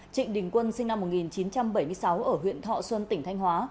trịnh đình quân sinh năm một nghìn chín trăm bảy mươi sáu ở huyện thọ xuân tỉnh thanh hóa